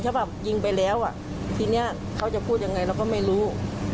ฉบับยิงไปแล้วอ่ะทีนี้เขาจะพูดยังไงเราก็ไม่รู้